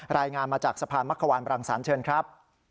รายงานมาจากสะพานมะขวานบรังสรรค์เชิญครับ